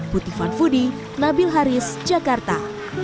putri van fudi nabil haris jakarta